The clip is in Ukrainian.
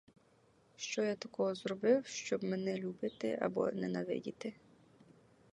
Що я такого зробив, щоб мене любити або ненавидіти?